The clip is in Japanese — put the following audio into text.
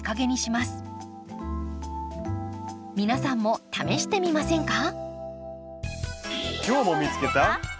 皆さんも試してみませんか。